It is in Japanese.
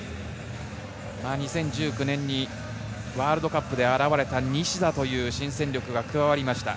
２０１９年にワールドカップで現れた西田という新戦力が加わりました。